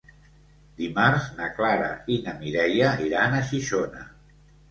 Dimarts na Clara i na Mireia iran a Xixona.